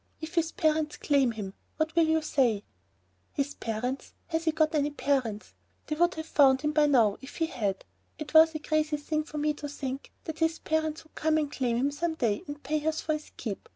"If his parents claim him, what will you say?" "His parents! Has he got any parents? They would have found him by now if he had. It was a crazy thing for me to think that his parents would come and claim him some day and pay us for his keep.